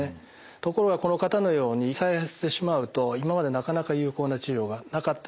ところがこの方のように再発してしまうと今までなかなか有効な治療がなかったというのが現状です。